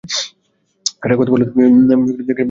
একটা কথা বলো তো, ভিলাই, ধামিত্রির দিকে গেছিলা ম্যাডামরে নিয়া?